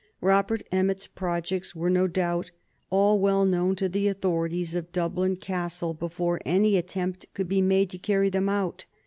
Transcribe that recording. Robert Emmet's projects were, no doubt, all well known to the authorities of Dublin Castle before any attempt could be made to carry them out.